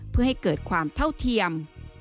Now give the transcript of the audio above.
เพื่อให้เกิดความเท่าเทียม